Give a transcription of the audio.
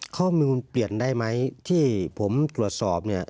ข้อมูลมันเปลี่ยนได้ไหมที่ผมตรวจสอบเนี่ย